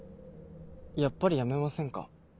やっぱりやめませんか？